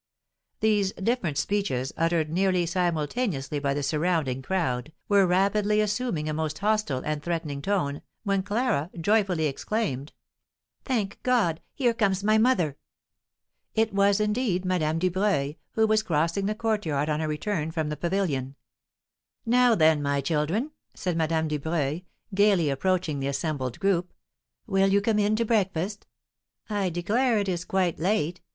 These different speeches, uttered nearly simultaneously by the surrounding crowd, were rapidly assuming a most hostile and threatening tone, when Clara joyfully exclaimed: "Thank God, here comes my mother!" It was, indeed, Madame Dubreuil, who was crossing the courtyard on her return from the pavilion. "Now, then, my children," said Madame Dubreuil, gaily approaching the assembled group, "will you come in to breakfast? I declare it is quite late!